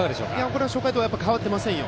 これは初回と変わっていませんよ。